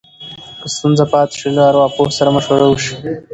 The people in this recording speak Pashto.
که ستونزه پاتې شي، له ارواپوه سره مشوره وشي.